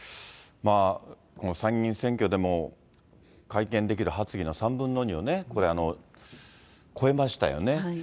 この参議院選挙でも、会見できる発議の３分の２をこれ、超えましたよね。